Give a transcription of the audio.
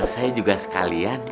saya juga sekalian